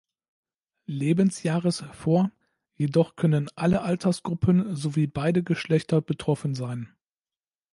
Lebensjahres vor, jedoch können alle Altersgruppen sowie beide Geschlechter betroffen sein.